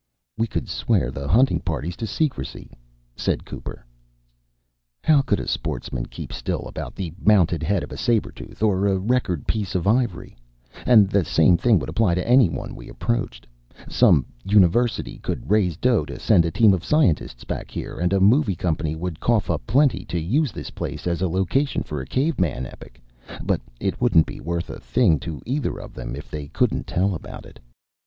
"We could swear the hunting parties to secrecy," said Cooper. "How could a sportsman keep still about the mounted head of a saber tooth or a record piece of ivory?" And the same thing would apply to anyone we approached. Some university could raise dough to send a team of scientists back here and a movie company would cough up plenty to use this place as a location for a caveman epic. But it wouldn't be worth a thing to either of them if they couldn't tell about it.